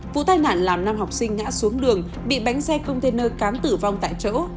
vụ tai nạn làm năm học sinh ngã xuống đường bị bánh xe container cám tử vong tại chỗ